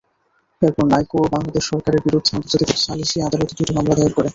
এরপর নাইকো বাংলাদেশ সরকারের বিরুদ্ধে আন্তর্জাতিক সালিসি আদালতে দুটি মামলা দায়ের করে।